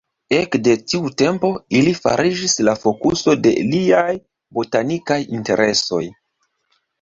Ekde tiu tempo ili fariĝis la fokuso de liaj botanikaj interesoj.